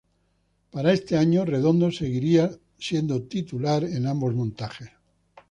Para este año, Redondo seguiría siendo titular en ambos montajes.